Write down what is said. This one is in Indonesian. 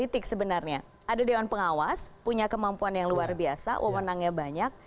ini pertanyaan yang biasa